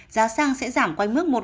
giá xăng sẽ giảm quanh mức